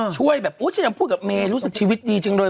ช่วยแบบอุ๊ยฉันยังพูดกับเมย์รู้สึกชีวิตดีจังเลย